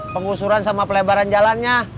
penggusuran sama pelebaran jalannya